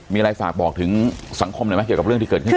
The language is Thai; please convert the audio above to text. มีอะไรฝากบอกถึงสังคมหน่อยไหมเกี่ยวกับเรื่องที่เกิดขึ้น